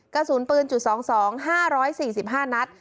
กระสุนปืน๒๒๕๔๕นัด